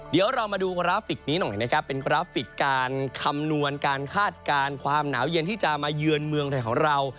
เดี๋ยวเรามาดูกราฟิกนี้หน่อยนะครับเป็นกราฟิกการคำนวณการคาดการณ์ความหนาวเย็นที่จะมาเยือนเมืองไทยของเรา